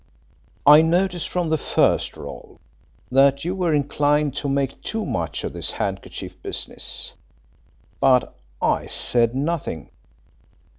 "I noticed from the first, Rolfe, that you were inclined to make too much of this handkerchief business, but I said nothing.